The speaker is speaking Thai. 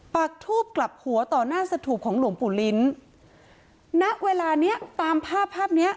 ปากทูบกลับหัวต่อหน้าสถูปของหลวงปู่ลิ้นณเวลาเนี้ยตามภาพภาพเนี้ย